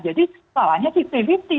jadi salahnya sifri sifri